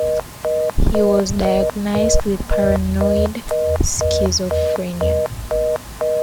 He was diagnosed with paranoid schizophrenia.